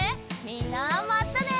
みんなまったね！